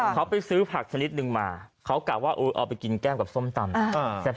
เขาไปซื้อผักชนิดนึงมาเขากะว่าเอาไปกินแก้มกับส้มตำ